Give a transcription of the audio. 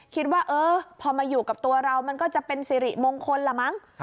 คิดว่าเออพอมาอยู่กับตัวเรามันก็จะเป็นสิริมงคลละมั้ง